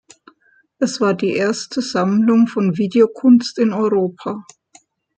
Es war die erste Sammlung von Videokunst in Europa.